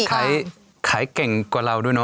ขายเก่งกว่าเราด้วยเนอ